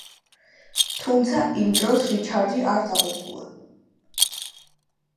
თუმცა იმ დროს რიჩარდი არ დაღუპულა.